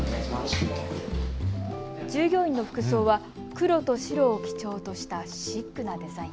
従業員の服装は黒と白を基調としたシックなデザイン。